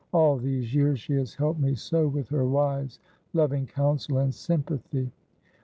All these years she has helped me so with her wise, loving counsel and sympathy."